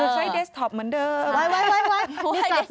ใช้เดสตอปเหมือนเดิมว๊ายว๊ายเดสตอป